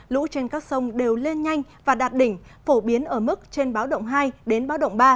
lũ trên các sông đều lên nhanh và đạt đỉnh phổ biến ở mức trên báo động hai đến báo động ba